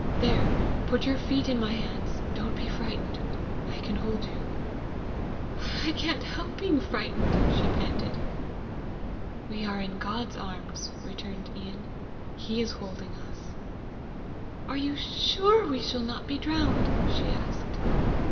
There put your feet in my hands. Don't be frightened; I can hold you." "I can't help being frightened!" she panted. "We are in God's arms," returned Ian. "He is holding us." "Are you sure we shall not be drowned?" she asked.